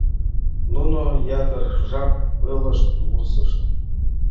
Нуно ятыр жап ойлышт, вурсышт.